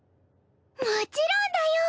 もちろんだよ！